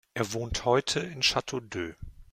Er wohnt heute in Château-d’Œx.